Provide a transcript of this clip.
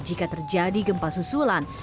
jika terjadi gempa susulan